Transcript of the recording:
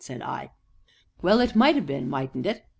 said I. "Well, it might ha' been, mightn't it?